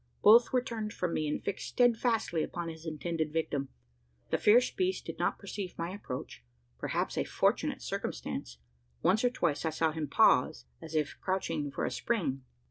Both were turned from me, and fixed steadfastly upon his intended victim. The fierce beast did not perceive my approach perhaps a fortunate circumstance. Once or twice I saw him pause, as if crouching for a spring.